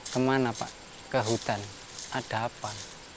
kemana pak ke hutan ada apa